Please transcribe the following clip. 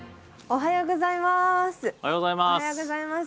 おはようございます。